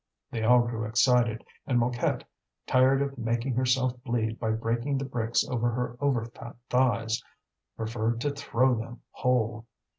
They all grew excited, and Mouquette, tired of making herself bleed by breaking the bricks on her overfat thighs, preferred to throw them whole.